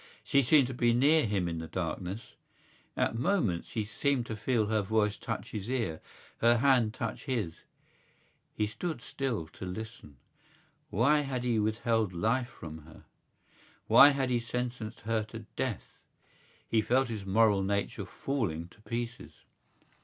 She seemed to be near him in the darkness. At moments he seemed to feel her voice touch his ear, her hand touch his. He stood still to listen. Why had he withheld life from her? Why had he sentenced her to death? He felt his moral nature falling to pieces.